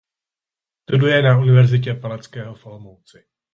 Studuje na Univerzitě Palackého v Olomouci.